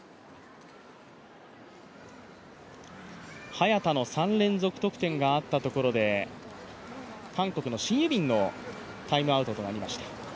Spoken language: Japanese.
早田の３連続得点があったところで韓国のシン・ユビンのタイムアウトとなりました。